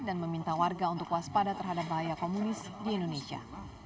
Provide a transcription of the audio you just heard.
dan meminta warga untuk waspada terhadap bahaya komunis di indonesia